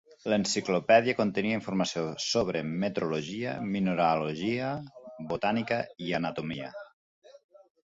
L"enciclopèdia contenia informació sobre metrologia, mineralogia, botànica i anatomia.